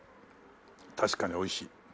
確かにおいしい。